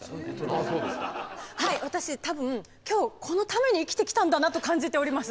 私多分今日このために生きてきたんだなと感じております。